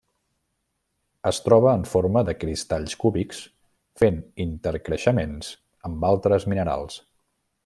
Es troba en forma de cristalls cúbics fent intercreixements amb altres minerals.